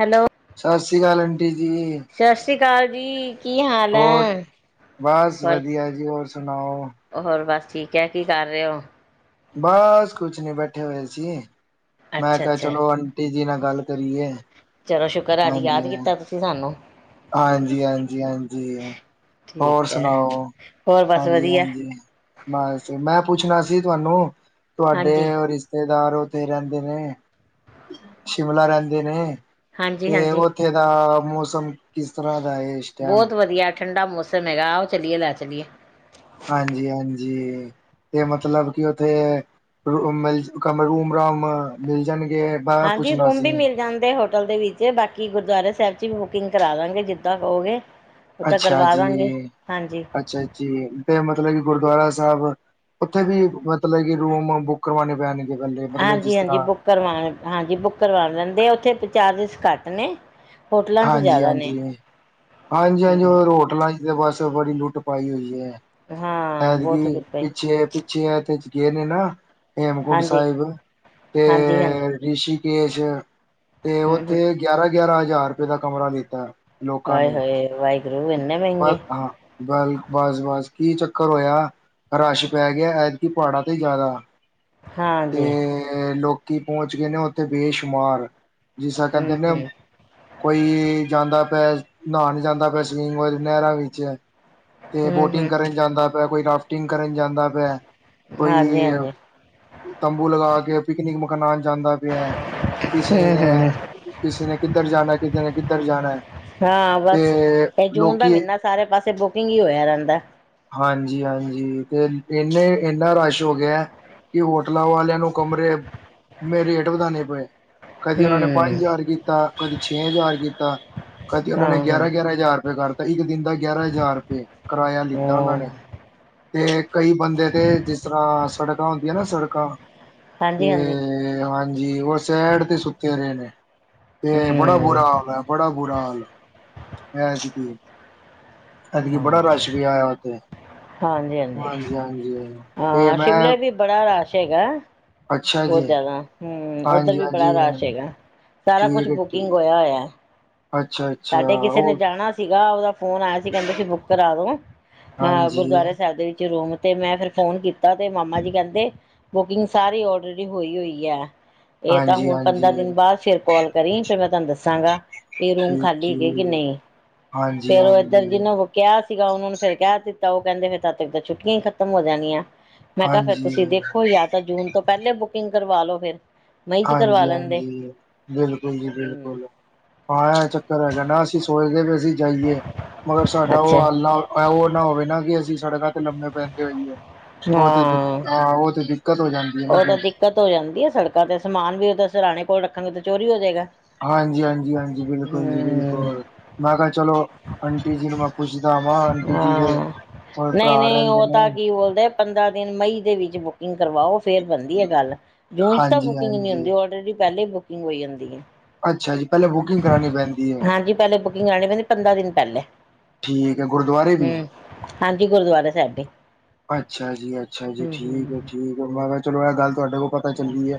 Hello! ਸਸ ਸ੍ਰੀ ਅਕਾਲ, ਅੰਟੀ ਜੀ। ਸਸ ਸ੍ਰੀ ਅਕਾਲ ਜੀ। ਕੀ ਹਾਲ ਹੋਰ, ਹੈ ਬਸ ਹੋਰ ਵਧੀਆ ਜੀ, ਹੋਰ ਸੁਣਾਓ? ਹੋਰ ਬਸ ਠੀਕ ਐ, ਕੀ ਕਰ ਰਹੇ ਓ? ਬਸ ਕੁਛ ਨੀ ਬੈਠੇ ਹੋਏ ਸੀ। ਮੈਂ ਅੱਛਾ ਕਿਹਾ ਅੱਛਾ ਚਲੋ ਅੰ ਟੀ ਜੀ ਨਾਲ ਗੱਲ ਕਰੀਏ। ਚਲੋ ਸ਼ੁਕਰ ਅੱਜ ਹਾਂਜੀ ਯਾਦ ਕੀਤਾ ਤੁਸੀਂ ਸਾਨੂੰ। ਹਾਂਜੀ, ਹਾਂਜੀ, ਹਾਂਜੀ ਹੋਰ ਠੀਕ ਹੈ ਸੁਣਾਓ, ਹੋਰ ਬਸ ਹਾਂਜੀ- ਵਧੀਆ ਹਾਂਜੀ। ਬਸ ਜੀ, ਮੈਂ ਪੁੱਛਣਾ ਸੀ ਤੁਹਾਨੂੰ, ਹਾਂਜੀ ਤੁਹਾਡੇ ਓ ਰਿਸ਼ ਤੇਦਾਰ ਉੱਥੇ ਰਹਿੰਦੇ ਨੇ, ਸ਼ਿਮਲਾ ਰਹਿੰਦੇ ਨੇ, ਹਾਂਜੀ ਤੇ ਹਾਂਜੀ ਉਥੇ ਇਥੇਦਾ ਮੌਸਮ ਕਿਸ ਤਰ੍ਹਾਂਹ ਦਾ ਹੈ ਟਾਈਮ ਬਹੁਤ ਵਧੀਆ ਠੰਡਾ ਮੌਸਮ ਹੈਗਾ, ਆ ਔ ਚੱਲੀਏ ਲੈ ਚਲੀਏ ਹਾਂਜੀ ਹਾਂਜੀ ਤੇ ਮਤਲਬ ਕਿ ਉੱਥੇ ਰ ਮ ਰੂਮ ਰਾਮ ਮਿਲ ਜਾਣਗੇ ਏ ਬਾਰੇ ਹਾਂਜੀ ਪੁੱਛਣਾ ਰੂਮ ਵੀ ਸੀ ਮਿਲ ਜਾਂਦੇ ਹੋ ਹੋਟਲ ਦੇ ਵਿੱਚ ਏ, ਤੇ ਬਾਕੀ ਗੁਰਦੁਆਰੇ ਸਾਹਿਬ ਚ ਵੀ ਬੁਕਿੰਗ ਕਰਾ ਦਾਂਗੇ ਜਿੱਦਾਂ ਕਹੋਗੇ ਉਹ ਤਾਂ ਅੱਛਾ ਕਰਵਾ ਦਾਂਗੇ ਜੀ, ਹਾਂਜੀ ਅੱਛਾ ਜੀ, ਤੇ ਮਤਲਬ ਕਿ ਗੁਰਦੁਆਰਾ ਸਾਹਿਬ, ਉੱਥੇ ਵੀ ਮਤਲਬ ਕਿ ਰੂਮ ਬੁੱਕ ਕਰਵਾਣੇ ਪੈਣੇ ਹਾਂਜੀ ਹਾਂਜੀ ਬੁੱਕ ਕਰਵਾਉਣ ਹਾਂਜੀ ਬੁੱਕ ਕਰਵਾ ਲੈਂਦੇ, ਉੱਥੇ ਚਾਰਜਿਸ ਘੱਟ ਨੇ ਹੋਟਲਾਂ 'ਚ ਹਾਂਜੀ ਜ਼ਿਆਦਾ ਨੇ ਹਾਂਜੀ ਹਾਂਜੀ ਹਾਂਜੀ ਹੂੰ ਉਹ ਰੋਡ ਹੋਟਲਾਂ ਤੇ ਬਸ ਬੜੀ ਲੁੱਟ ਪਾਈ ਹੋਈ ਹੈ, ਹਾਂ ਬਹੁਤ ਐਦਕੀ ਰੁਪਏ ਪਿੱਛੇ ਪਿਛੇ ਐ ਤੇ ਗਏ ਨੇ ਨਾ ਹੇਮਕੁੰਡ ਹਾਂਜੀ। ਸਾਹਿਬ, ਤੇ ਹਾਂਜੀ-ਹਾਂਜੀ ਰਿਸ਼ੀਕੇਸ਼, ਤੇ ਹੂੰ-ਹੂੰ ਉੱਥੇ ਗਿਆਰਾਂਹ ਗਿਆਰਾਂਹ ਹਜ਼ਾਰ ਰੁਪਏ ਦਾ ਕਮਰਾ ਲਿੱਤਾ ਹਾਏ ਹਾਏ ਵਾਹਿਗੁਰੂ ਇਨੇ ਵੇ ਬਸ ਹਾਂ ਬਲ ਬਸ ਬਸ ਕੀ ਚੱਕਰ ਹੋਇਆ, ਰਸ਼ ਪੈ ਗਿਆ ਐਤਕੀ ਪਹਾੜਾਂ ਤੇ ਹੀ ਜਾਣਾ ਹਾਂਜੀ ਤੇ ਲੋਕੀ ਪਹੁੰਚ ਗਏ ਨੇ ਉੱਥੇ ਬੇਸ਼ੁਮਾਰ, ਜਿਸ ਤਰਹ ਕਹਿੰਦੇ ਨੇ ਹੂੰ-ਹੂੰ, ਕੋਈ ਜਾਂਦਾ ਪਿਆ ਨਹਾਨ ਜਾਂਦਾ ਪਿਆ, ਸਵੀਮਿੰਗ ਹੋ ਨਹਿਰਾਂ ਵਿੱਚ ਤੇ ਬੋਟਿੰਗ ਹੂੰ-ਹੂੰ ਕਰਨ ਜਾਂਦਾ ਪਯਾ, ਕੋਈ ਰਾਫਟਿੰਗ ਕਰਨ ਜਾਂਦਾ ਪਯਾ ਕੋਈ ਹਾਂਜੀ-ਹਾਂਜੀ ਤੰਬੂ ਲਗਾ ਕੇ ਪਿਕਨਿਕ ਮਕਾਨ ਜਾਂਦਾ ਪਯਾ ਐ, ਕਿਸੇ ਨੇ ਹੂੰ-ਹੂੰ ਕਿਸੀ ਨੇ ਕਿੱਧਰ ਜਾਣਾ, ਕਿਸੀ ਨੇ ਕਿੱਧਰ ਜਾਣਾ ਹਾਂ ਬਸ ਤੇ ਇਹ ਜੂਨ ਦਾ ਲੋਕੀ ਮਹੀਨਾ ਸਾਰੇ ਪਾਸੇ ਬੁਕਿੰਗ ਹੀ ਹੋਇਆ ਰਹਿੰਦਾ ਹਾਂਜੀ ਹਾਂਜੀ ਤੇ ਇੰਨੇ ਇੰਨਾ ਰਸ਼ ਹੋ ਗਿਆ ਕਿ ਹੋਟਲਾਂ ਵਾਲਿਆਂ ਨੂੰ ਕਮਰੇ ਮੇ ਰੇਟ ਵਧਾਣੇ ਪਏ ਕਦੀ ਉਹਨਾਂ ਨੇ ਪੰਜ ਹੂੰ ਹਜ਼ਾਰ ਕੀਤਾ, ਕਦੀ ਛੇ ਹਜ਼ਾਰ ਕੀਤਾ ਕਦੀ ਉਹਨਾਂ ਨੇ ਹਾਂ-ਹਾਂ। ਗਿਆਰਹ ਗਿਆਰਹ ਹਜ਼ਾਰ ਰੁਪਏ ਕਰਤਾ ਤਾਂ ਇੱਕ ਦਿਨ ਦਾ ਗਿਆਰਾਂਹ ਹਜ਼ਾਰ ਰੁਪਏ ਕਿਰਾਇਆ ਲਿੱਤਾ ਉਹਨਾਂ ਹਾਂ ਨੇ ਤੇ ਕਈ ਬੰਦੇ ਤੇ ਜਿਸ ਤਰ੍ਹਾਂਹ ਸੜਕਾਂ ਹੂ ਹੁੰਦੀਆਂ ਨਾ ਸੜਕਾਂ, ਹਾਂਜੀ-ਹਾਂਜੀ ਤੇ ਹਾਂਜੀ ਜੀ ਉਹ ਸੈਈਡ ਤੇ ਸੁੱਤੇ ਰਹੇ ਨੇ, ਤੇ ਬੜਾ ਬੁਰਾ ਹੂੰ ਹਾਲ ਐ ਬੜਾ ਬੁਰਾ ਬੁਰਾ ਹਾਲ ਐ ਹਾਂ ਬੜਾ ਰਸ਼ ਵੀ ਆਇਆ ਉਥੇ, ਹਾਂਜੀ-ਹਾਂਜੀ। ਹਾਂਜੀ ਹਾਂਜੀ ਤੇ ਹਾਂ ਮੈਂ ਸ਼ਿਮਲੇ ਵੀ ਬੜਾ ਰਸ਼ ਹੈਗਾ, ਅੱਛਾ ਜੀ, ਬਹੁਤ ਜਿਆਦਾ ਹੂ ਉੱਧਰ ਵੀ ਹਾਂਜੀ-ਹਾਂਜੀ, ਬੜਾ ਰਸ਼ ਹੈਗਾ ਸਾਰਾ ਕੁਛ ਬੁਕਿੰਗ ਹੋਇਆ ਹੋਇਆ ਅੱਛਾ ਅ ਸਾਡੇ ਕਿਸੇ ਨੇ ਜਾਣਾ ਸੀਗਾ ਉਹਦਾ ਫੋਨ ਆਇਆ ਸੀ, ਕਹਿੰਦਾ ਸੀ ਬੁੱਕ ਕਰਾਦੋ ਅਹ ਹਾਂਜੀ, ਗੁਰਦੁਆਰਾ ਸਾਹਿਬ ਦੇ ਵਿੱਚ ਰੂਮ ਤੇ ਮੈਂ ਫਿਰ ਫੋਨ ਕੀਤਾ ਤੇ ਮਾਮਾ ਜੀ ਕਹਿੰਦੇ, ਬੁਕਿੰਗ ਸਾਰੀ ਆਲਰੇਡੀ ਹੋਈ ਹੋਈ ਹੈ ਇਹ ਤਾਂ ਹੁਣ ਪੰਦਰਾਂ ਹਾਂਜੀ-ਹਾਂਜੀ, ਦਿਨ ਬਾਅਦ ਫੇਰ ਕਾਲ ਕਰੀ, ਫੇਰ ਮੈਂ ਤੁਹਾਨੂੰ ਦੱਸਾਂਗਾ ਵੀ ਰੂਮ ਖਾਲੀ ਹੈਗੀ ਐ ਕਿ ਠੀਕ-ਠੀਕ, ਨਹੀਂ, ਫੇਰ ਉਹ ਏਧਰ ਹਾਂਜੀ-ਹਾਂਜੀ। ਜਿਹਨਾ ਕਿਹਾ ਸੀਗਾ ਉਹਨਾਂ ਨੂੰ ਫਿਰ ਕਹਿ ਦਿੱਤਾ, ਉਹ ਕਹਿੰਦੇ ਫਿਰ ਤਦ ਤੱਕ ਤਾਂ ਛੁੱਟੀਆਂ ਹੀ ਖਤਮ ਹੋ ਜਾਣੀਆਂ ਮੈਂ ਕਿਹਾ ਫੇਰ ਹਾਂਜੀ, ਤੁਸੀਂ ਦੇਖੋ ਯਾ ਤਾਂ ਜੂਨ ਤੋਂ ਪਹਿਲੇ ਬੁਕਿੰਗ ਕਰਵਾ ਲੋ ਫੇਰ ਮਈ ਚ ਕਰਵਾ ਹਾਂਜੀ ਲੈਂਦੇ। ਹਾਂਜੀ ਬਿਲਕੁਲ ਜੀ ਹੂੰ, ਬਿਲਕੁਲ। ਹਾਂ ਐ ਚੱਕਰ ਹੈਗਾ ਨਾ ਅਸੀਂ ਸੋਚਦੇ ਵੀ ਅਸੀਂ ਜਾਈਏ, ਮਗਰ ਸਾਡਾ ਉਹ ਅੱਛਾ ਹਾਲ ਨਾ ਐ ਓਨਾ ਹੋਵੇ ਨਾ ਕਿ ਅਸੀਂ ਸੜਕਾਂ ਤੇ ਲੰਮੇ ਪੈਂਦੇ ਹੋਈਏ, ਓ ਤੇ ਹਾਂ ਓ ਤੇ ਦਿੱਕਤ ਹੋ ਜਾਣੀ। ਓ ਤੇ ਦਿੱਕਤ ਹੋ ਜਾਂਦੀ ਐ। ਸੜਕਾਂ ਤੇ ਸਮਾਨ ਵੀ ਓਦੇ ਸਰਾਣੇ ਕੋਲ ਰੱਖਣਗੇ, ਤਾਂ ਚੋਰੀ ਹੋ ਜੇਏਗਾ। ਹਾਂਜੀ-ਹਾਂਜੀ, ਹਾਂਜੀ ਬਿਲਕੁਲ ਜੀ ਬਿਲਕੁਲ। ਮੈਂ ਕੇਯਾ ਚਲੋ ਆਂਟੀ ਜੀ ਨੂੰ ਮੈਂ ਪੁੱਛਦਾ ਵਾਂ, ਆਂਟੀ ਜੀ ਦੇ ਹੋਰ ਭਰਾ ਨਈਂ-ਨਈਂ ਰਹਿੰਦੇ ਓ ਤਾਂ ਨੇ ਕੀ ਬੋਲਦੇ ਪੰਦਰਾਂ ਦਿਨ ਮਈ ਦੇ ਵਿੱਚ ਬੁਕਿੰਗ ਕਰਵਾਓ, ਫੇਰ ਬਣਦੀ ਏ ਗੱਲ। ਜੂਨ ਚ ਤਾਂ ਹਾਂਜੀ ਬੁਕਿੰਗ ਨ ਹੁੰਦੀ, ਹਾਂਜੀ ਔਲਰੇਡੀ ਪੈਲੇਾ ਈ ਬੁਕਿੰਗ ਹੋਈ ਹੁੰਦੀ ਏ। ਅੱਛਾ ਜੀ, ਪੈਲੇ ਹਾਂਜੀ, ਪੈਲੇ ਬੁਕਿੰਗ ਕਰਾਣੀ ਪੈਂਦੀ, ਪੰਦਰਾਂ ਦਿਨ ਪੈਲੇ। ਠੀਕ ਹੈ ਗੁਰਦੁਆਰੇ ਵੀ ਹਾਂਜੀ, ਗੁਰਦੁਆਰਾ ਸੈਬ ਦੀ। ਅੱਛਾ ਜੀ, ਅੱਛਾ ਜੀ, ਹੂੰ ਠੀਕੈ, ਹੂੰ ਠੀਕੈ ਮੈਂ ਕੇਯਾ ਚਲੋ, ਐ ਗੱਲ ਤੁਆਡੇ ਕੋਲ ਪਤਾ ਪਤਾ ਚੱਲੀ ਐ,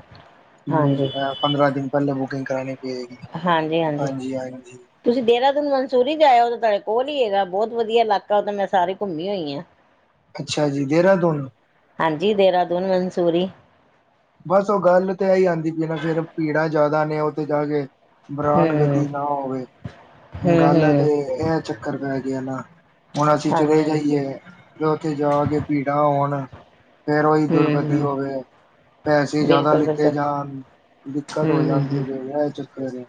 ਹਾਂਜੀ ਹ ਪੰਦਰਾਂ ਦਿਨ ਪੈਲੇ ਬੁਕਿੰਗ ਕਰਾਣੀ ਪਏਗੀ ਹਾਂਜੀ-ਹਾਂਜੀ। ਹਾਂਜੀ ਹਾਂਜੀ ਤੁਸੀਂ ਦੇਹਰਾਦੂਨ ਮਨਸੂਰੀ ਈ ਜਾ ਆਓ ਤਾਂ ਤੁਹਾਡੇ ਕੋਲ ਹੀਈ ਹੈਗਾ ਬਹੁਤ ਵਧੀਆ ਇਲਾਕਾ ਤਾਂ ਮੈਂ ਸਾਰੇ ਘੁੰਮੀ ਹੋਈ ਹਾਂ। ਅੱਛਾ ਜੀ ਦੇਹਰਾਦੂਨ ਹਾਂਜੀ, ਦੇਰਾਦੂਨ, ਮਨਸੂਰੀ ਬਸ, ਓ ਗੱਲ ਤਾਂ ਐਈ ਆਂਦੀ ਪਈ ਨਾ ਫੇਰ ਭੀੜਾਂ ਜਾਦਾ ਨੇ ਓਥੇ ਜਾ ਕੇ ਹੂੰ ਬਰਾਨਗਤੀ ਨਾ ਹੋਵੇ, ਹੂੰ ਗੱਲ ਹੂੰ ਤੇ ਐ ਚੱਕਰ ਪੈ ਗੇਆ ਨਾ ਹੋਨ, ਅਸੀਂ ਹਾਂਜੀ ਚਲੇ ਹਾਂਜੀ ਜਾਈਏਤੇ ਓਥੇ ਜਾ ਕੇ ਭੀੜਾਂ ਹੋਣ ਫੇਰ ਓਈ ਹੂੰ ਦੁਰਗਤੀ ਹੂੰ ਹੋਵੇ। ਪੈਸੇ ਜਾਦਾ ਬਿਲਕੁਲ ਲਿੱਤੇ ਬਿਲਕੁਲ ਜਾਣ ਦਿੱਕਤ ਹੂੰ ਹੋ ਹੂੰ ਹੂੰ ਜਾਂਦੀ ਐ। ਐ ਚੱਕ ਦੇ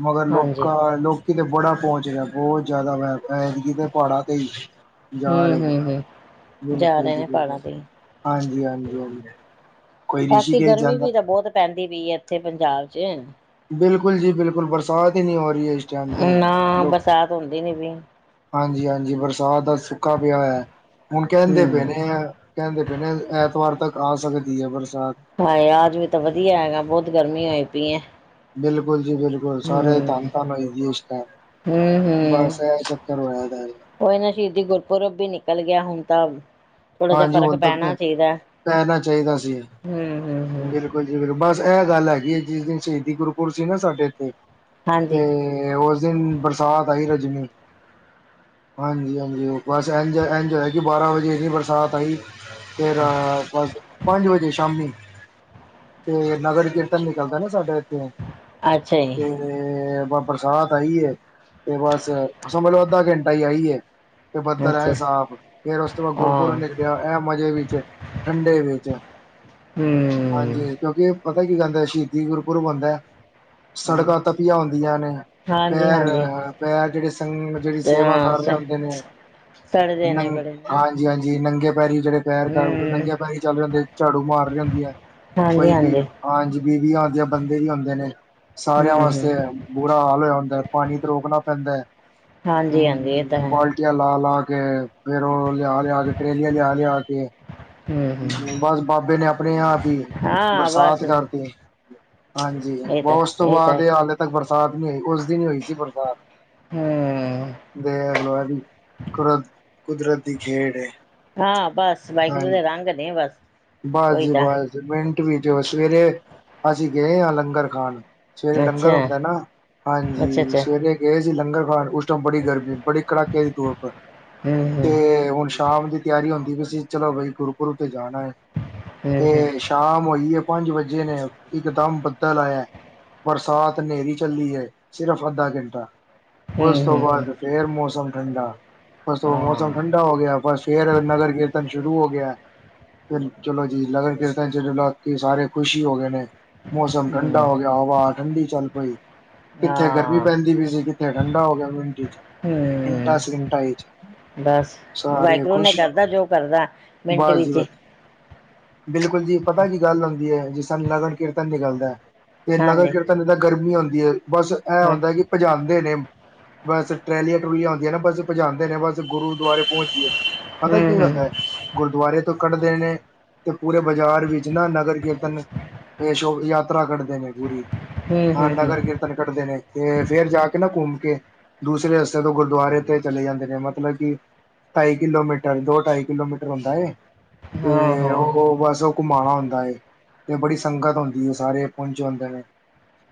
ਮਗਰ ਹਾਂਜੀ ਲੋਕਾ ਲੋਕੀ ਤੇ ਬੜਾ ਪੋਂਚ ਰੇਯਾ, ਬਹੁਤ ਜਿਆਦਾ ਮੈਂ ਐਦਕਿ ਤੇ ਪਾਂੜਾਂ ਤੇ ਈ ਜਾ ਹੂੰ ਰੇਨੇ, ਹੂੰ ਹੂੰ ਜਾ ਬਿਲਕੁਲ ਰਹੇ ਜੀ ਨੇ ਬਿਲਕੁਲ। ਪਹਾੜਾਂ ਤੇ ਹਾਂਜੀ, ਹਾਂਜੀ, ਹਾਂਜੀ। ਕੋਈ ਬਾਕੀ ਰਿਸ਼ੀਕੇਸ਼ ਗਰਮੀ ਜਾਂਦਾ ਵੀ ਤਾਂ ਬੋਤ ਪੈਂਦੀ ਪਈ ਐ, ਐਥੇ ਪੰਜਾਬ ਚ ਬਿਲਕੁਲ ਜੀ ਬਿਲਕੁਲ ਬਰਸਾਤ ਈ ਨੀਂ ਹੋ ਰੀਏ, ਇਸ ਟਾਈਮ ਤੇ ਨਾ ਲੋਕ ਬਰਸਾਤ ਹੁੰਦੀ ਨੀ ਪਈ ਹਾਂਜੀ-ਹਾਂਜੀ, ਬਰਸਾਤ ਦਾ ਸੁੱਕਾ ਪੇਆ ਹੋਐ। ਹੁਨ, ਕੈਂਦੇ ਪਏ ਨੇ ਹੂੰ ਐ ਕੈਂਦੇ ਪਏ ਨੇ ਐਤਵਾਰ ਤੱਕ ਆ ਸਕਦੀ ਏ ਬਰਸਾਤ। ਹਾਂਏ! ਆਜਵੇ ਤਾਂ ਵਧੀਆ ਹੈਗਾ, ਬੋਤ ਗਰਮੀ ਹੋ ਪਈਏ। ਬਿਲਕੁਲ ਜੀ ਬਿਲਕੁਲ। ਸਾਰੇਆਂ ਦੀ ਧੰਨ-ਧੰਨ ਹੋਈ ਦੀਏ ਏਸ ਹਮ ਟੈਮ ਬਸ, ਐ ਚੱਕਰ ਹੋਇਆ ਦੈ। ਓਈ ਨਾ ਸ਼ਹੀਦੀ ਗੁਰਪੁਰਬ ਵੀ ਨਿਕਲ ਗੇਆ ਹੁਣ ਤਾਂ ਥੋੜਾ ਜਿਹਾ ਹਾਂਜੀ, ਫ਼ਰਕ ਹੁਨ ਤੱਕ ਪੈਂ ਪੈਣਾ ਚਾਹੀਦਾ ਜਾਣਾ ਚਾਈਦਾ ਸੀ। ਹਮ ਹਮ ਹਮ ਬਿਲਕੁਲ ਬਸ, ਐ ਗੱਲ ਹੈਗੀ ਜਿਸ ਦਿਨ ਸ਼ਹੀਦੀ ਗੁਰੂਪੁਰਬ ਸੀ ਨਾ ਸਾਡੇ ਏਥੇ ਤੇ ਹਾਂਜੀ ਤੇ ਓਸ ਦਿਨ ਬਰਸਾਤ ਆਈ, ਰਜਮੀ। ਹਾਂਜੀ-ਹਾਂਜੀ ਬਸ ਐ ਐਜ ਹੋਯਾ ਕੇ ਬਾਰਾਂ ਵੱਜੇ ਏਨੀ ਬਰਸ ਸਾਤ ਆਈ, ਫੇਰ ਪੰਜ ਵਜੇ ਸ਼ਾਮੀ ਤੇ ਨਗਰ ਕੀਰਤਨ ਨਿਕਲਦੈ ਨਾ ਸਾਡੇ ਏਥੇ ਅੱਛਾ ਜੀ ਤੇ ਤੇ ਬਰਸਾਤ ਆਈਏ, ਤੇ ਬਸ ਸਮਝ ਲੋ ਅੱਧਾ ਘੰਟਾ ਈ ਆਈਏ। ਤੇ ਬੱਦਲ ਐ ਅੱਛਾ ਸਾਫ ਫੇਰ ਓਸ ਤੋਂ ਬਾਦ ਗੁਰ ਪੂਰਾ ਹਾਂ ਨਿਕਲੇਆ, ਐ ਮਜ਼ੇ ਵਿੱਚ ਠੰਡੇ ਦੇ ਵਿੱਚ ਹਮ ਹਾਂਜੀ, ਕਿਉਂਕਿ ਪਤਾ ਕੀ ਗੱਲ ਏ, ਸ਼ਹੀਦੀ ਗੁਰਪੁਰਬ ਹੁੰਦੈ ਸੜਕਾਂ ਤਪੀਆਂ ਹੁੰਦੀਆਂ ਨੇ ਹਾਂਜੀ ਪੈਰ, ਹਾਂਜੀ ਆਏ ਹਾਏ! ਪੈਰ ਜੇੜੇ ਸੰਗ ਜੇੜੀ ਸੇਵਾ ਕਰ ਰੇ ਹੁੰਦੇ ਨੇ ਸੜ ਦੇਣੇਨੇ ਨੰ ਬੜੇ। ਹਾਂਜੀ, ਹਾਂਜੀ ਨੰਗੇ ਪੈਰੀ ਜਿਹੜੇ ਪੈਰ ਕਰ ਹਮ ਨੰਗਿਆਂ ਪੈਰੀ ਚੱਲ ਜਾਂਦੀ ਝਾੜੂ ਮਾਰਹੀ ਹਦੀ ਹੈ ਹਾਂਜੀ ਕੋਈ ਵੀ ਹਾਂਜੀ ਹਾਂਜੀ ਬੀਬੀ ਆਣ ਆ ਬੰਦੇ ਵੀ ਹੁਂਦੇ ਨੇ। ਸਾਰਿਆਂ ਹਮ ਹਮ ਵਾਸਤੇ ਬੁਰਾ ਹਾਲ ਹੋਇਆ ਹੁੰਦਾ, ਪਾਣੀ ਤੇ ਰੋਕਣਾ ਪੈਂਦਾ ਏ। ਹਾਂਜੀ ਹਮ ਹਾਂਜੀ ਇਹ ਤਾਂ ਹ ਬ ਹੈ [unintelligible] ਜਿ ਲਾ ਲਾ ਕੇ ਫੇਰ ਉਹ ਲਿਆ ਲਿਆ ਕੇ ਟ੍ਰੇਲੀਆਂ ਲਿਆ ਲਿਆ ਕੇ ਹਮ ਹਮ ਬਸ ਬਾਬੇ ਨੇ ਆਪਣੇ ਆਪ ਹੀ ਹਾਂ ਬਰਸਾਤ ਬਸ ਕਰਤੀ। ਹਾਂਜੀ, ਇਹ ਤਾਂ ਉਸ ਤੋਂ ਬਾਅਦ ਤਾਂ ਇਹ ਹਾਲੇ ਤੱਕ ਬਰਸਾਤ ਨੀ ਹੋਈ ਉਸ ਦਿਨ ਹੋਈ ਸੀ ਬਰਸਾਤ। ਹਮ। [unintelligible] ਦੇ ਅਵ ਕੁ ਕੁਦਰਤੀ ਦੀ ਖੇਡ ਏ। ਹਾਂ, ਬਸ ਵਾਹਿਗੁਰੂ ਦੇ ਰੰਗ ਨੇ ਬਸ। ਬਸ ਉਹੀ ਜੀ ਤਾਂ ਬਸ ਮਿੰਟ ਵਿੱਚ ਸਵੇਰੇ ਅਸੀਂ ਗਏ ਹਾਂ ਲੰਗਰ ਖਾਣ ਸਵੇਰੇ ਲੰਗਰ ਅੱਛਾ, ਹੁੰਦਾ ਨਾ ਹਾਂਜੀ ਅੱਛਾ-ਅੱਛਾ, ਸਵੇਰੇ ਗਏ ਸੀ ਲੰਗਰ ਖਾਣ ਉਸ ਟਾਈਮ ਬੜੀ ਗਰਮੀ ਬੜੀ ਕੜਾਕੇ ਦੀ ਧੁੱਪ ਹੂੰ-ਹੂੰ, ਤੇ ਹੁਣ ਸ਼ਾਮ ਦੀ ਤਿਆਰੀ ਹੁੰਦੀ ਵੀ ਸੀ ਚਲੋ ਬਾਈ ਗੁਰੂਕੁਰੂ ਤੇ ਜਾਣਾ ਏ। ਹੂੰ-ਹੂੰ, ਤੇ ਸ਼ਾਮ ਹੋਈਏ ਪੰਜ ਵਜੇ ਨੇ ਇਕ ਦਮ ਬੱਦਲ ਆਇਆ। ਬਰਸਾਤ ਹਨੇਰੀ ਚੱਲੀ ਏ ਸਿਰਫ਼ ਅੱਧਾ ਘੰਟਾ। ਉਸ ਤੋਂ ਹੂੰ-ਹੂੰ, ਬਾਅਦ ਫੇਰ ਮੌਸਮ ਠੰਡਾ ਉਸ ਤੋਂ ਬਾਅਦ ਮੌਸਮ ਹਾਂ, ਠੰਡਾ ਹੋ ਗਿਆ ਬਸ ਫੇਰ ਨਗਰ ਕੀਰਤਨ ਸ਼ੁਰੂ ਹੋ ਗਿਆ। ਫਿਰ ਚਲੋ ਜੀ ਨਗਰ ਕੀਰਤਨ ਚੱਲ ਕੇ ਸਾਰੇ ਖੁਸ਼ ਹੀ ਹੋ ਗਏ ਨੇ। ਮੌਸਮ ਠੰਡਾ ਹੂੰ, ਹੋ ਗਿਆ ਹਵਾ ਠੰਡੀ ਚੱਲ ਪਈ। ਕਿੱਥੇ ਗਰਮੀ ਹਾਂ, ਪੈਂਦੀ ਵੀ ਸੀ ਕਿੱਥੇ ਠੰਡਾ ਹੋ ਗਿਆ ਮਿੰਟ ਚ ਮਿੰਟਾਂ ਹੂੰ, ਸਕਿੰਟਾਂ ਚ। ਬਸ ਸਾਰੇ ਵਾਹਿਗੁਰੂ ਨੇ ਖੁਸ਼ ਕਰਦਾ ਜੋ ਕਰਦਾ ਮਿੰਟ ਬਸ ਜੀ ਵਿੱਚ। ਬਸ ਬਿਲਕੁਲ ਜੀ ਪਤਾ ਕੀ ਗੱਲ ਹੁੰਦੀ ਏ ਜਿਸ ਤਰਾਂ ਨਗਰ ਕੀਰਤਨ ਨਿਕਲਦਾ ਤੇ ਨਗਰ ਹਾਂਜੀ, ਕੀਰਤਨ ਗਰਮੀ ਹੋਦੀ ਹੈ ਬਸ ਐ ਹਾਂ, ਹੁੰਦਾ ਕਿ ਭਜਾਦੇ ਨੇ। ਬਸ ਟਰੈਲੀਆਂ ਟਰੂਲੀਆਂ ਹੁੰਦੀਆਂ ਨਾ ਬਸ ਭਜਾਂਦੇ ਨੇ ਬਸ ਗੁਰੂਦੁਆਰੇ ਪਹੁੰਚੀਏ। ਪਤਾ ਕੀ ਹੂੰ-ਹੂੰ, ਹੁੰਦਾ ਏ ਗੁਰਦੁਆਰੇ ਤੋਂ ਕੱਢ ਨੇ ਤੇ ਪੂਰੇ ਬਾਜ਼ਾਰ ਵਿੱਚ ਨਾ ਨਗਰ ਕੀਰਤਨ ਇਹ ਸ਼ੋਭ ਯਾਤਰਾ ਕਰਦੇ ਨੇ ਪੂਰੀ ਹਾਂ ਹੂੰ-ਹੂੰ, ਨਗਰ ਕੀ ਕੱਢਦੇ ਨੇ ਤੇ ਫੇਰ ਜਾ ਕੇ ਨਾ ਘੁੰਮ ਕੇ ਦੂਸਰੇ ਰਸਤੇ ਤੋਂ ਗੁਰਦੁਆਰੇ ਤੇ ਚਲੇ ਜਾਂਦੇ ਨੇ ਮਤਲਬ ਕਿ ਢਾਈ ਕਿਲੋਮੀਟਰ ਦੋ ਢਾਈ ਕਿਲੋਮੀਟਰ ਹੁੰਦਾ ਏ ਹਾਂ-ਹਾਂ, ਹੂੰ-ਹੂੰ, ਤੇ ਹਾਂ ਉਹ -ਉਹ ਬਸ ਘੁੰਮਾਣਾ ਹੁੰਦਾ ਏ ਤੇ ਬੜੀ ਸੰਗਤ ਹੁੰਦੀ ਇਹ ਸਾਰੇ ਪੁਹੰਚੇ ਹੁੰਦੇ ਨੇ।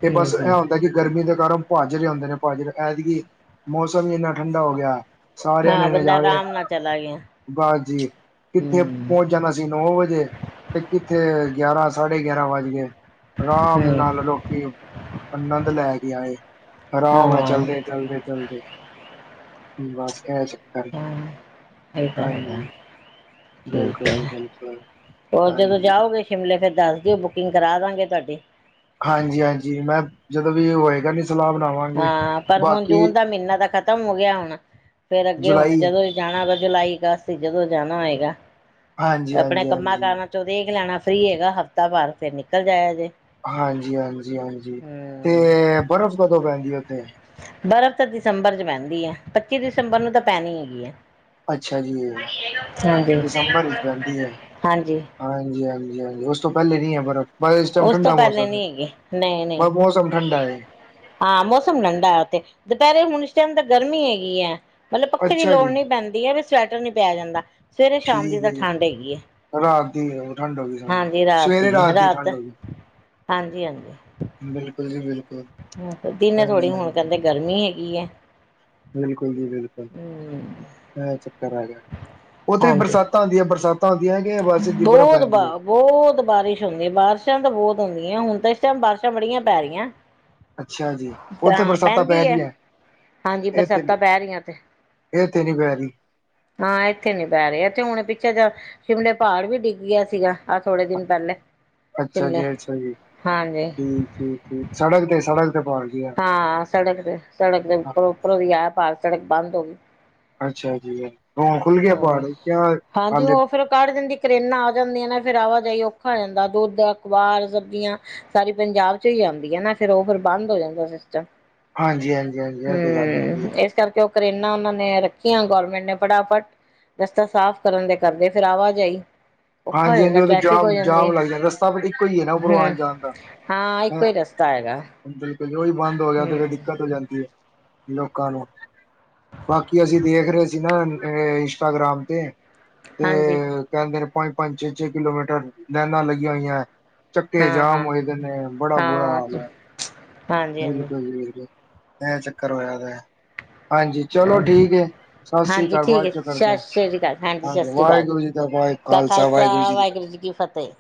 ਤੇ ਇਹ ਹਾਂ, ਹੂੰ, ਬਸ ਇਹ ਹੂੰ, ਹੁੰਦਾ ਕਿ ਗਰਮੀ ਦੇ ਕਾਰਨ ਭਜ ਰਹੇ ਹੁੰਦੇ ਨੇ ਭਾਜਰ ਐਤਕਿ ਮੌਸਮ ਵੀ ਇੰਨਾ ਠੰਡਾ ਹੋ ਗਿਆ। ਹਾਂ, ਬੰਦਾ ਆਰਾਮ ਨਾਲ ਚਲਾ ਗਿਆ। ਬਾਸ ਜੀ ਕਿੱਥੇ ਹੂੰ, ਪਹੁੰਚ ਜਾਂਣਾ ਸੀ ਨੌ ਵਜੇ ਤੇ ਕਿੱਥੇ ਗਿਆਰਾਂ ਸਾਢੇ ਗਿਆਰਾਂ ਵੱਜ ਗਏ। ਆਰਾਮ ਹੂੰ, ਨਾਲ ਲੋਕੀ ਆਨੰਦ ਲੈ ਕੇ ਆਏ ਆਰਾਮ ਨਾਲ ਹਾਂ, ਚਲਦੇ, ਚਲਦੇ, ਚਲਦੇ। ਬਸ ਇਹ ਚੱਕਰ ਫਿਲਦਾ ਹੈਗਾ। ਹਾਂਜੀ ਠੀਕ ਬਿਲਕੁਲ ਹੈ। ਜੀ ਬਿਲਕੁਲ। ਹੋਰ ਜਦੋਂ ਹਾਂਜੀ ਜਾਓਗੇ ਸ਼ਿਮਲੇ ਫੇਰ ਦੱਸ ਦਿਓ, ਬੁਕਿੰਗ ਕਰਾ ਦਾਂਗੇ ਤੁਹਾਡੀ। ਹਾਂਜੀ ਹਾਂਜੀ ਮੈਂ ਜਦੋਂ ਵੀ ਹੋਏਗਾ ਨੀ ਸਲਾਹ ਬਣਾ ਹਾਂ ਪਰ ਹੁਣ ਜੂਨ ਦਾ ਮਹੀਨਾ ਤਾਂ ਖਤਮ ਹੋ ਗਿਆ ਹੁਣ ਫੇਰ ਅੱਗੇ ਹੁਣ ਜੁਲਾਈ ਜਦੋਂ ਜਾਣਾ ਹੋਏਗਾ ਜੁਲਾਈ ਅਗਸਤ ਜਦੋਂ ਜਾਣਾ ਹੋਏਗਾ ਹਾਂਜੀ ਆਪਣੇ ਹਾਂਜੀ ਕੰਮਾਂ ਹਾਂਜੀ ਕਾਰਾਂ ਦੇਖ ਲੈਣਾ ਸਰੀ ਹੈਗਾ ਹਫ਼ਤਾ ਭਾਰ ਫੇਰ ਨਿਕਲ ਜਾਇਆ ਜੇ। ਹਾਂਜੀ ਹਾਂਜੀ ਹਾਂਜੀ ਤੇ ਹਮ ਬਰਫ਼ ਕਦੋਂ ਪੈਂਦੀ ਹੈ ਉੱਥੇ। ਬਰਫ਼ ਤਾਂ ਦਸੰਬਰ ਚ ਪੈਂਦੀ ਹੈ ਪੱਚੀ ਦਸੰਬਰ ਨੂੰ ਤਾਂ ਪੈਣੀ ਹੈਗੀ ਹੈ। ਅੱਛਾ ਜੀ ਹਾਂਜੀ ਦਸੰਬਰ ਵਿੱਚ ਪੈਂਦੀ ਹੈ। ਹਾਂਜੀ ਹਾਂਜੀ ਹਾਂਜੀ ਹਾਂਜੀ ਉਸ ਤੋਂ ਪਹਿਲੇ ਨੀ ਹੈ ਬਰਫ਼। ਬਸ ਇਸ ਟਾਈਮ ਉਸ ਤੋਂ ਠੰਡਾ ਪਹਿਲੇ ਮੌਸਮ ਹੈ ਨੀ ਹੈਗੀ ਨਹੀਂ ਨਹੀਂ ਬਸ ਮੌਸਮ ਠੰਡਾ ਹੈ। ਹਾਂ ਮੌਸਮ ਠੰਡਾ ਹੈ ਉੱਥੇ ਦੁਪਹਿਰੇ ਹੁਣ ਇਸ ਟਾਈਮ ਤਾਂ ਗਰਮੀ ਹੈਗੀ ਹੈ। ਮਤਲਬ ਪੱਖੇ ਦੀ ਅੱਛਾ ਲੋੜ ਜੀ, ਨੀ ਪੈਂਦੀ ਐਵੀ ਸਵੈਟਰ ਨੀ ਪੈ ਜਾਂਦਾ ਸਵੇਰੇ ਠੀਕ ਸ਼ਾਮ ਦੀ ਤਾਂ ਹੈ ਜੀ ਠੰਡ ਹੈਗੀ ਹੈ। ਰਾਤ ਦੀ ਠੰਡ ਹੋ ਗਈ ਸਵੇਰੇ ਰਾਤ ਦੀ ਠੰਢ ਹੋ ਗਈ ਹਾਂਜੀ- ਹਾਂਜੀ। ਬਿਲਕੁਲ ਜੀ ਬਿਲਕੁਲ। ਦਿਨੇ ਥੋੜ੍ਹੀ ਹਾਂਜੀ, ਹੁਣ ਹਾਂਜੀ ਕਹਿੰਦੇ ਗਰਮੀ ਹੈਗੀ ਹੈ। ਬਿਲਕੁਲ ਜੀ ਬਿਲਕੁਲ ਹਮ ਇਹ ਚੱਕਰ ਹੈਗਾ ਉੱਥੇ ਵੀ ਹਾਂਜੀ ਬਰਸਾਤਾਂ ਆਉਂਦੀਆਂ ਬਰਸਾਤ। ਸਿਧੀ ਬਰਫ ਬਹੁਤ ਬ ਪੈਂਦੀ ਹੈ। ਬਹੁਤ ਬਾਰਿਸ਼ ਹੁੰਦੀ ਬਾਰਿਸ਼ਾਂ ਤਾਂ ਬਹੁਤ ਹੁੰਦੀਆਂ ਹੁਣ ਤਾਂ ਇਸ ਟਾਈਮ ਬਾਰਿਸ਼ਾਂ ਬੜੀਆਂ ਪੈ ਰਹੀਆਂ। ਅੱਛਾ ਜੀ ਉੱਥੇ ਤਾਂ ਬਰਸਾਤਾਂ ਪੈ ਪੈਂਦੀ ਹੈ ਰਹੀਆਂ। ਹਾਂਜੀ ਬਰਸਾਤਾਂ ਪੈ ਰਹੀਆਂ ਐਥੇ। ਇਥੋਂ ਨੀ ਪੈ ਰਹੀ। ਹਾਂ ਇੱਥੇ ਨੀ ਪੈ ਰਹੀ ਇੱਥੇ ਹੁਣ ਪਿੱਛੇ ਜਾ। ਸ਼ਿਮਲੇ ਪਹਾੜ ਵੀ ਡਿੱਗ ਗਿਆ ਸੀਗਾ ਆਹ ਥੋੜੇ ਦਿਨ ਪਹਿਲੇ। ਅੱਛਾ ਸ਼ਿਮਲੇ ਜੀ ਅੱਛਾ ਜੀ ਹਾਂਜੀ ਠੀਕ ਏ ਠੀਕ ਸੜਕ ਤੇ ਸੜਕ ਤੇ ਪਹਾੜ ਗਿਰਆ। ਹਾਂ ਸੜਕ ਤੇ ਸੜਕ ਦੇ ਉੱਪਰੋਂ ਉੱਪਰੋਂ ਦੀ ਆਯਾ ਪਹਾੜ ਸੜਕ ਬੰਦ ਹੋ ਗਈ। ਅੱਛਾ ਜੀ ਹੁਣ ਖੁੱਲ ਗਿਆ ਪਹਾੜ ਯਾ ਹਾਲੇ। ਫਿਰ ਉਹ ਕੱਢ ਦਿੰਦੀ ਕਰੇਨਾ ਆ ਜਾਂਦੀਆਂ ਨਾ ਫਿਰ ਆਵਾਜਾਈ ਔਖਾ ਆ ਜਾਂਦਾ ਦੁੱਧ ਅਖਬਾਰ ਸਬਜ਼ੀਆਂ। ਸਾਰੀ ਪੰਜਾਬ ਚ ਹੀ ਆਉਦੀ ਹੈ ਨਾ ਫਿਰ ਉਹ ਫਿਰ ਬੰਦ ਹੋ ਜਾਂਦਾ ਸਿਸਟਮ। ਹਾਂਜੀ ਹਾਂਜੀ ਹਾਂਜੀ ਇਹ ਤੇ ਗੱਲ ਹੈਗੀ। ਹਮ ਇਸ ਕਰਕੇ ਉਹ ਕਰੇਨਾ ਉਹਨਾਂ ਨੇ ਰੱਖੀਆਂ ਗੌਰਮੈਂਟ ਨੇ ਫਟਾਫਟ। ਰਸਤਾ ਸਾਫ ਕਰਨ ਦੇ ਕਰਦੇ ਫੇਿਰ ਆਵਾਜਾਈ। ਔਖਾ ਹੋ ਹਾਂਜੀ ਹਾਂਜੀ ਜਾਂਦਾ ਉਹ ਤਾਂ ਟ੍ਰੈਫਿਕ ਹੋ ਜਾਮ ਜਾਂਦੀ ਜਾਮ ਹੈ ਲੱਗ ਜਾਂਦਾ ਰਸਤਾ ਬ ਇੱਕੋ ਹੀ ਹੈ ਨਾ ਉਪਰੋ ਹਮ ਆਣ ਜਾਣ ਦਾ। ਹਾਂ ਇੱਕੋ ਹੀ ਰਸਤਾ ਹੈਗਾ ਬਿਲਕੁਲ ਜੇ ਅੋਹੀ ਬੰਦ ਹੋ ਗਿਆ ਤੇ ਫਿਰ ਹਮ ਦਿੱਕਤ ਹੋ ਜਾਂਦੀ ਹੈ ਲੋਕਾਂ ਨੂੰ। ਬਾਕੀ ਅਸੀਂ ਦੇਖ ਰਹੇ ਸੀ ਨਾ ਇੰਸਟਾਗ੍ਰਾਮ ਤੇ। ਤੇ ਹਾਂਜੀ ਕਹਿੰਦੇ ਨੇ ਪੰਜ ਪੰਜ ਛੇ ਛੇ ਕਿਲੋਮੀਟਰ ਲਾਈਨਾਂ ਲੱਗੀਆਂ ਹੋਈਆਂ। ਚੱਕੇ ਹਾਂ ਜਾਮ ਹਾਂ ਹੋਏ ਦੇ ਨੇ ਬੜਾ ਬੁਰਾ ਹਾਂ ਹਾਲ ਹੈ। ਹਾਂਜੀ ਹਾਂਜੀ ਬਿਲਕੁਲ ਜੀ ਬਿਲਕੁਲ ਐ ਚੱਕਰ ਹੋਆ ਦਾ। ਹਾਂਜੀ ਚਲੋ ਹਾਂ ਠੀਕ ਹੈ ਸਤਿ ਸ੍ਰੀ ਹਾਂਜੀ ਅਕਾਲ ਠੀਕ ਬਾਅਦ ਹੈ ਚੋਂ ਕਰਦੇ ਸਤਿ ਹਾਂ ਹਾਂਜੀ ਵਾਹਿਗੁਰੂ ਜੀ ਵਾਹਿਗੁਰੂ। ਵਾਹਿਗੁਰੂ ਜੀ ਕਾ ਖਾਲਸਾ ਵਾਹਿਗੁਰੂ ਜੀ ਕੀ ਫਤਿਹ।